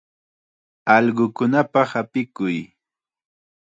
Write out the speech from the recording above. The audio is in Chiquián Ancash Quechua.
Allqukunapaq apikuy.